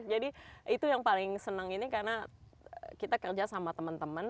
jadi itu yang paling senang ini karena kita kerja sama teman teman